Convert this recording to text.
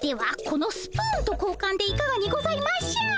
このスプーンと交換でいかがにございましょう？